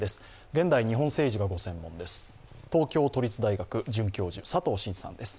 現代日本政治がご専門です